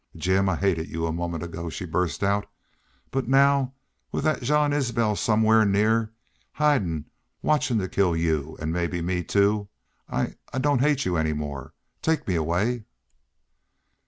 "Jim, I hated y'u a moment ago," she burst out. "But now with that Jean Isbel somewhere near hidin' watchin' to kill y'u an' maybe me, too I I don't hate y'u any more.... Take me away."